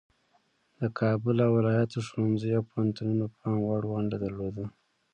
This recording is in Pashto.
د کابل او ولایاتو ښوونځیو او پوهنتونونو پام وړ ونډه درلوده.